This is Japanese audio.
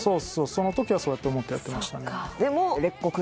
その時はそう思ってやってましたね